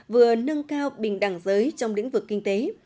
vừa nâng cao bình đẳng giới trong lĩnh vực kinh tế